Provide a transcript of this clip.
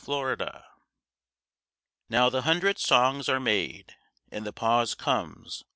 55 EPILOGUE Now the hundred songs are made, And the pause comes.